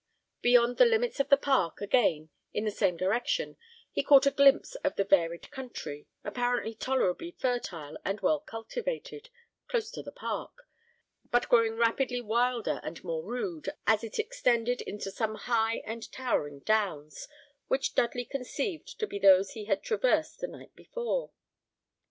Beyond the limits of the park, again, in the same direction, he caught a glimpse of a varied country, apparently tolerably fertile and well cultivated, close to the park, but growing rapidly wilder and more rude, as it extended into some high and towering downs, which Dudley conceived to be those he had traversed the night before.